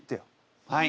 はい。